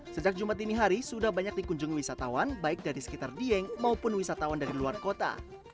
sejak jumat ini hari sudah banyak dikunjungi wisatawan baik dari sekitar dieng maupun wisatawan dari luar kota